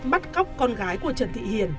bắt cóc con gái của trần thị hiền